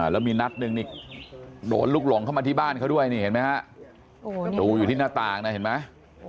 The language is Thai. แล้วมีนัดหนึ่งนี่โดนลุกหลงเข้ามาที่บ้านเขาด้วยนี่เห็นไหมฮะรูอยู่ที่หน้าต่างนะเห็นไหม